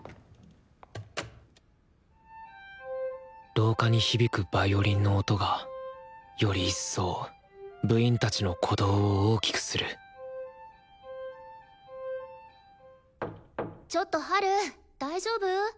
廊下に響くヴァイオリンの音がより一層部員たちの鼓動を大きくするちょっとハル大丈夫？